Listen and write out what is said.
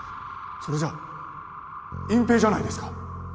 それじゃあ隠蔽じゃないですか。